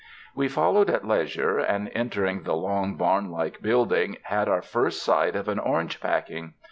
We followed at leisure, and entering the long barnlike building, had our first sight of an orange packing.